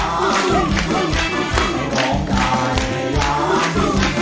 ๑หมื่นบาท